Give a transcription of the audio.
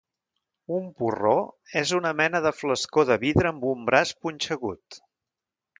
Un porró és una mena de flascó de vidre amb un braç punxegut